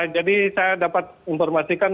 jadi saya dapat informasikan